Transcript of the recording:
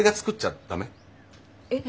えっ？